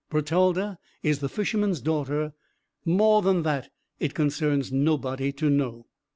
Bertalda is the Fisherman's daughter; more than that, it concerns nobody to know."